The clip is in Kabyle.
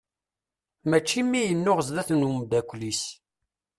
Mačči mi yennuɣ sdat n umddakel-is.